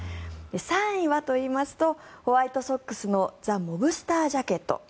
３位はといいますとホワイトソックスのザ・モブスター・ジャケット。